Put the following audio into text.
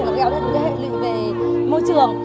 để giao đến hệ lực về môi trường